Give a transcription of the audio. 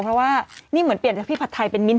เพราะว่านี่เหมือนเปลี่ยนจากพี่ผัดไทยเป็นมิ้น